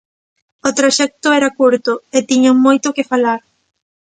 O traxecto era curto e tiñan moito que falar.